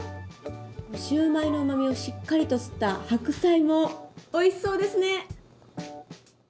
シューマイのうまみをしっかりと吸った白菜もおいしそうですね！